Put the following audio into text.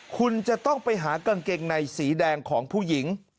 คุณจะต้องไปหากางเกงในสีแดงของผู้หญิง